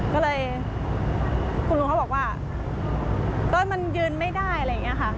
ก็เลยคุณลุงเขาบอกว่ารถมันยืนไม่ได้อะไรอย่างนี้ค่ะ